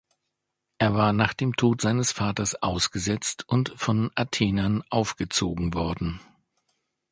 Er war nach dem Tod seines Vaters ausgesetzt und von Athenern aufgezogen worden.